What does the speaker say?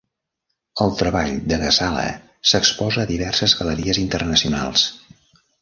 El treball de Ghazala s'exposa a diverses galeries internacionals.